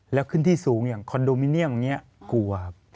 แล้วขึ้นที่สูงอย่างคอนโดมิเนียมอย่างนี้กลัวครับ